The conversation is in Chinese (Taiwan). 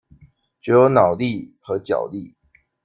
只有腦力和腳力